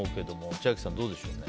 千秋さん、どうでしょうね。